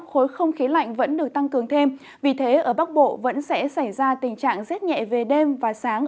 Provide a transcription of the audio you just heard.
khối không khí lạnh vẫn được tăng cường thêm vì thế ở bắc bộ vẫn sẽ xảy ra tình trạng rét nhẹ về đêm và sáng